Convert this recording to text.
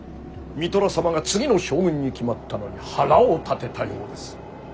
三寅様が次の将軍に決まったのに腹を立てたようです。